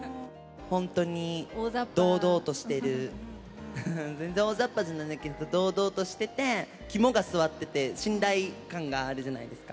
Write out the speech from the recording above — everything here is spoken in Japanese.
本当に堂々としてる、全然おおざっぱじゃないんだけど、堂々としていて肝が据わってて、信頼感があるじゃないですか。